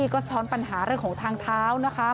ก็สะท้อนปัญหาเรื่องของทางเท้านะคะ